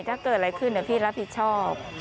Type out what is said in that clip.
ถ้าเกิดอะไรขึ้นเดี๋ยวพี่รับผิดชอบ